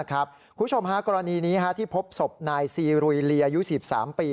คุณผู้ชมฮะกรณีนี้ที่พบศพนายซีรุยลีอายุ๑๓ปี